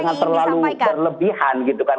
jangan terlalu berlebihan gitu kan